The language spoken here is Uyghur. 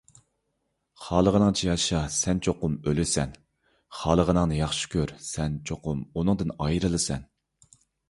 خالىغىنىڭچە ياشا، سەن چوقۇم ئۆلىسەن. خالىغىنىڭنى ياخشى كۆر، سەن چوقۇم ئۇنىڭدىن ئايرىلىسەن.